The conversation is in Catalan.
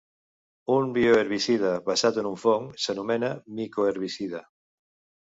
Un bioherbicida basat en un fong s'anomena micoherbicida.